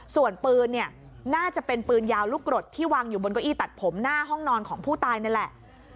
ส่วนปืนเนี่ยน่าจะเป็นปืนยาวลูกกรดที่วางอยู่บนเก้าอี้ตัดผมหน้าห้องนอนของผู้ตายนั่นแหละ